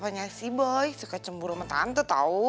papanya si boy suka cemburu sama tante tau